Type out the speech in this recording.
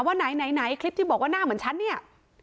ว่าไหนคลิปที่บอกว่าหน้าเหมือนฉันเนี่ย